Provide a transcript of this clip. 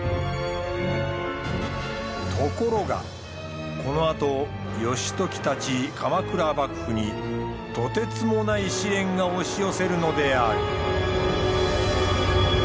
ところがこのあと義時たち鎌倉幕府にとてつもない試練が押し寄せるのである。